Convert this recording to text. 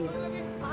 maaf ya bang